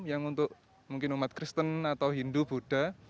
yang untuk mungkin umat kristen atau hindu buddha